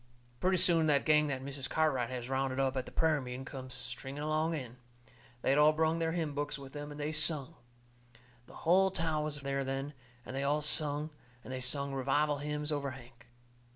Pretty soon the gang that Mrs. Cartwright has rounded up at the prayer meeting comes stringing along in. They had all brung their hymn books with them, and they sung. The hull town was there then, and they all sung, and they sung revival hymns over Hank.